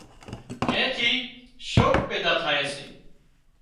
اين ٿي شوق پيدا ٿائي سي